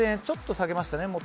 ちょっと下げましたね。